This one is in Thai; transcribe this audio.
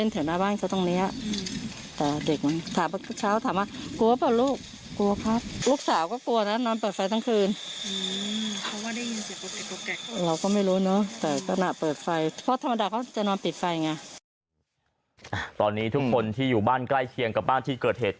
ตอนนี้ทุกคนที่อยู่บ้านใกล้เคียงกับบ้านที่เกิดเหตุ